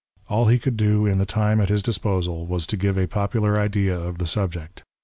All he could do in the time at his disposal was to give a popular idea of the subject.